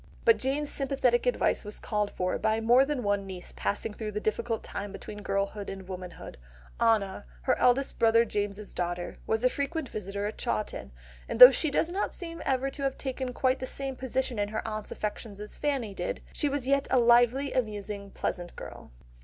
But Jane's sympathetic advice was called for by more than one niece passing through the difficult time between girlhood and womanhood; Anna, her eldest brother James's daughter, was a frequent visitor at Chawton, and though she does not seem ever to have taken quite the same position in her aunt's affections as Fanny did, she was yet a lively, amusing, pleasant girl.